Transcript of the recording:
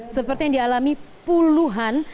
seperti yang dialami puluhan